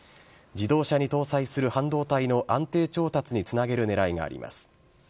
自動車に搭載する半導体の安定調達につなげるねらいがあります。